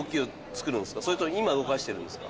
それとも今動かしてるんですか？